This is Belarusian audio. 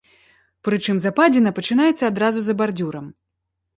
Прычым западзіна пачынаецца адразу за бардзюрам.